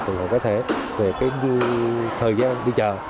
trường hội cái thể về cái thời gian đi chợ